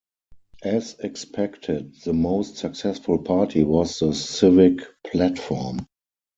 As expected the most successful party was the Civic Platform.